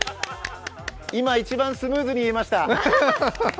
今一番スムーズに言えました。